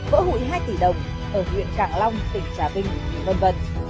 vỡ hủy hai tỷ đồng ở huyện cảng long tỉnh trà vinh v v